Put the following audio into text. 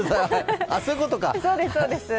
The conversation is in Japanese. あ、そういうことか。